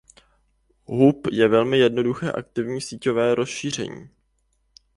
Hub je velmi jednoduché aktivní síťové zařízení.